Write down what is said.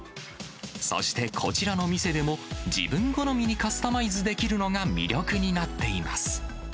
そしてこちらの店でも、自分好みでカスタマイズできるのが魅力になっています。